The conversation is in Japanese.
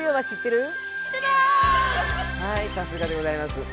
はいさすがでございます。